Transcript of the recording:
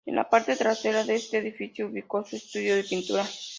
En la parte trasera de este edificio ubicó su estudio de pintura.